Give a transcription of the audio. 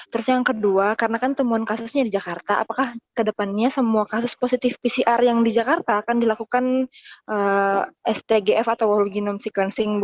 terus yang kedua karena temuan kasusnya di jakarta apakah ke depan nya semua kasus positif pcr yang di jakarta akan dilakukan stgf atau wholeness sequencing